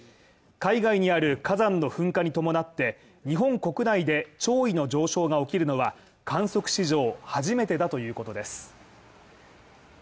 海外にある火山の噴火に伴って、日本国内で潮位の上昇が起きるのは観測史上初めてだということです